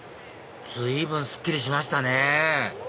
随分すっきりしましたね